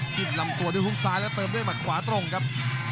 ลำตัวด้วยฮุกซ้ายแล้วเติมด้วยหมัดขวาตรงครับ